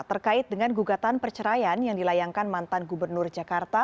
terkait dengan gugatan perceraian yang dilayangkan mantan gubernur jakarta